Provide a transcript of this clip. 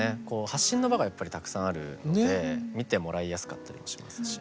発信の場がやっぱりたくさんあるので見てもらいやすかったりしますし。